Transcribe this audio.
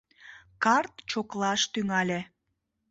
Карт чоклаш тӱҥале.